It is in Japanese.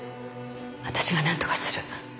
私がなんとかする。